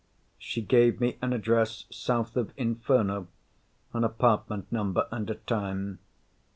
She gave me an address south of Inferno, an apartment number and a time.